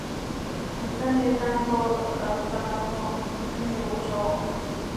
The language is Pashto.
زه مې ځان په ځانوچوني وچوم